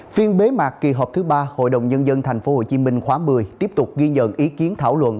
phiên bế mạc kỳ họp thứ ba hội đồng nhân dân tp hcm khóa một mươi tiếp tục ghi nhận ý kiến thảo luận